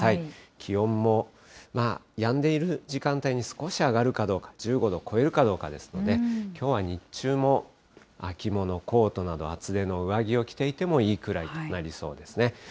気温もやんでいる時間帯に少し上がるかどうか、１５度を超えるかどうかですからね、きょうは日中も秋物、コートなど、厚手の上着を着ていてもいいくらいとなりそうですね。